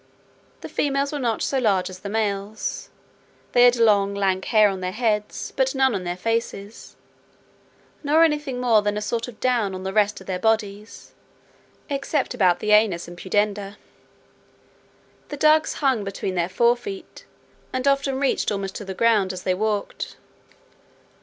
The females were not so large as the males; they had long lank hair on their heads, but none on their faces, nor any thing more than a sort of down on the rest of their bodies, except about the anus and pudenda. The dugs hung between their forefeet, and often reached almost to the ground as they walked.